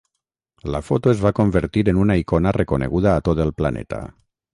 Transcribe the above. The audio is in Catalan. La foto es va convertir en una icona reconeguda a tot el planeta.